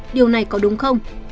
điều này có đúng không